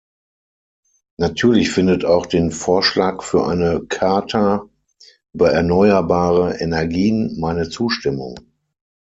Natürlich findet auch den Vorschlag für eine Charta über erneuerbare Energien meine Zustimmung.